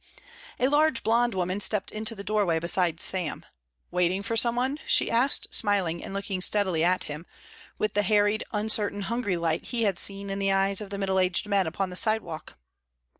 A large blond woman stepped into the doorway beside Sam. "Waiting for some one?" she asked, smiling and looking steadily at him, with the harried, uncertain, hungry light he had seen in the eyes of the middle aged men upon the sidewalk.